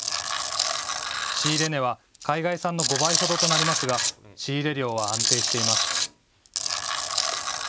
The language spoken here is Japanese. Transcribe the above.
仕入れ値は海外産の５倍ほどとなりますが仕入れ量は安定しています。